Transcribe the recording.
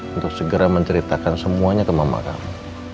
untuk segera menceritakan semuanya ke mama kami